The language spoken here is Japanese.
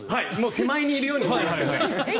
手前にいるように見えますよね。